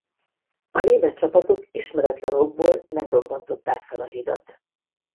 A német csapatok ismeretlen okból nem robbantották fel a hidat.